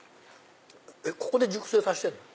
ここで熟成させてるの？